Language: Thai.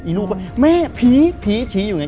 ไอลูกก็แม่ผีผีชี้อยู่อย่างนั้น